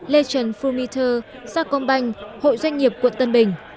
lechon fullmeter sacombank hội doanh nghiệp quận tân bình